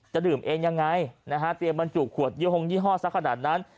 จะดื่มเองยังไงนะฮะเตรียมบรรจุขวดยี่หงยี่ห้อสักขนาดนั้น